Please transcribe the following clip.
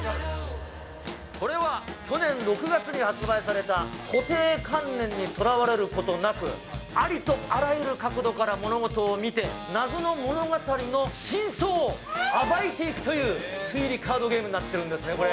これは、去年６月に発売された、固定観念にとらわれることなく、ありとあらゆる角度から物事を見て、謎の物語の真相を暴いていくという、推理カードゲームになってるんですね、これ。